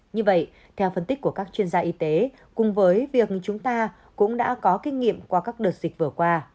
như vậy theo phân tích của các chuyên gia y tế cùng với việc chúng ta cũng đã có kinh nghiệm qua các đợt dịch vừa qua